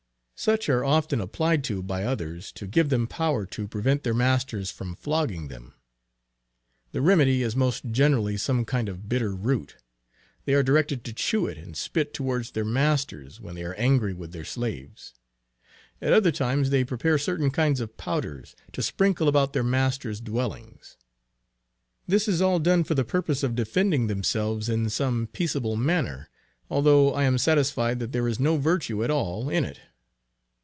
Such are often applied to by others, to give them power to prevent their masters from flogging them. The remedy is most generally some kind of bitter root; they are directed to chew it and spit towards their masters when they are angry with their slaves. At other times they prepare certain kinds of powders, to sprinkle about their masters dwellings. This is all done for the purpose of defending themselves in some peaceable manner, although I am satisfied that there is no virtue at all in it.